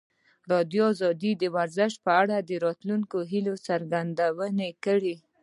ازادي راډیو د ورزش په اړه د راتلونکي هیلې څرګندې کړې.